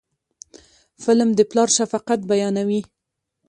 فلم د پلار شفقت بیانوي